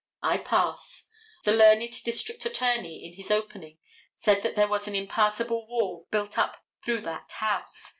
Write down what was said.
I pass. The learned district attorney, in his opening, said that there was an impassable wall built up through that house.